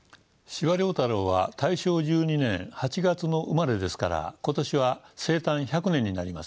司馬太郎は大正１２年８月の生まれですから今年は生誕１００年になります。